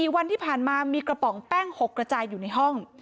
๔วันที่ผ่านมามีกระป๋องแป้ง๖กระจายอยู่ในห้อง